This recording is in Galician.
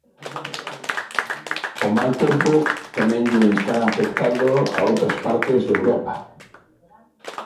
O mal tempo tamén lle está afectando a outras partes de Europa.